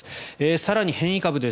更に、変異株です。